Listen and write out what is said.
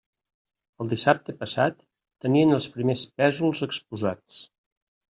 El dissabte passat tenien els primers pésols exposats.